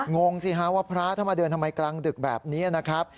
งงสิฮะว่าพระถ้ามาเดินทำไมกลางดึกแบบนี้นะครับ